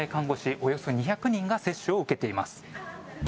およそ２００人が接種を受けています。